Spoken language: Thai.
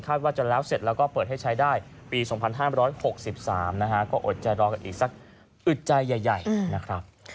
ครับว่าจะแล้วเสร็จแล้วก็เปิดให้ใช้ได้ปีสองพันห้าร้อยหกสิบสามนะฮะก็อดใจรอกันอีกสักอึดใจใหญ่ใหญ่นะครับ